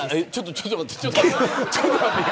ちょっと待って。